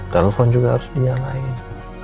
telepon juga harus dinyalain